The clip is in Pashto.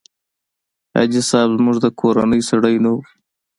حاجي صاحب زموږ د کورنۍ سړی نه و.